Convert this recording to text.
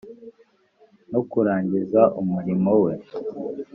no kurangiza umurimo we